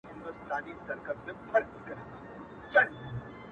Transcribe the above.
• په دې شعر به څوک پوه سي -